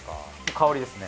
香りですね。